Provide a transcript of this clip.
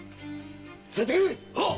連れてけっ！